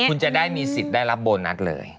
คุณจะได้มีสิทธิ์ได้รับโบนัสเลย